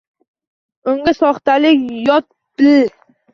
Unga soxtalik yot bil.